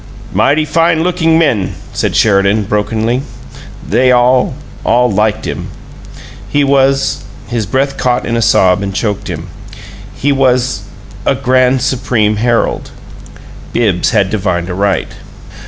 "Mighty fine lookin' men," said Sheridan, brokenly. "They all all liked him. He was " His breath caught in a sob and choked him. "He was a Grand Supreme Herald." Bibbs had divined aright.